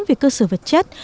về cơ sở vật chất